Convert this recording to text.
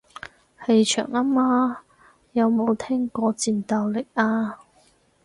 氣場吖嘛，有冇聽過戰鬥力啊